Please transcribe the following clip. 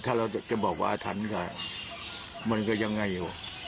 ถ้าเราจะบอกว่าอาถรรพ์ก็มันก็ยังไงอยู่